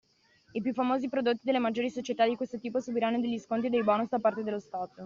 I più famosi prodotti delle maggiori società di questo tipo subiranno degli sconti e dei bonus da parte dello stato.